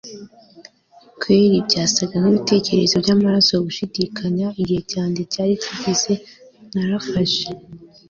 kweri. byasaga nkibitekerezo byamaraso gushidikanya. igihe cyanjye cyari kigeze. narafashe